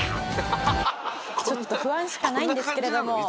ちょっと不安しかないんですけれども。